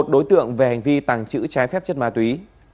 một đối tượng về hành vi tàng trữ trái phép chất ma túy